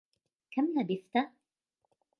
كَم لبثت؟